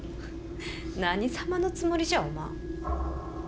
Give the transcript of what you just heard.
何様のつもりじゃ、お万。